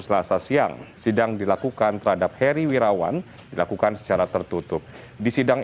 selasa siang sidang dilakukan terhadap heri wirawan dilakukan secara tertutup di sidang